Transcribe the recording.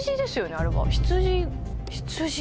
あれは。